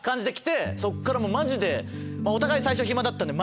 そっからマジでお互い最初暇だったんで。